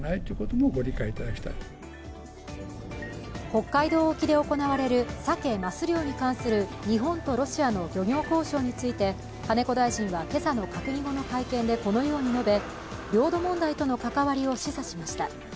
北海道沖で行われるサケ・マス漁に関する日本とロシアの漁業交渉について、金子大臣は今朝の閣議後の会見でこのように述べ、領土問題との関わりを示唆しました。